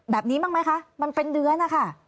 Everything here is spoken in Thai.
แบบนี้บ้างไหมคะมันเป็นเนื้อนะคะ